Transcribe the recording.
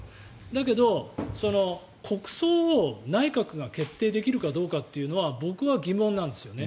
だけど、国葬を内閣が決定できるかどうかというのは僕は疑問なんですよね。